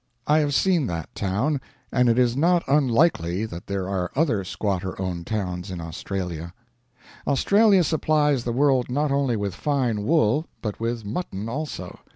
I have seen that town, and it is not unlikely that there are other squatter owned towns in Australia. Australia supplies the world not only with fine wool, but with mutton also.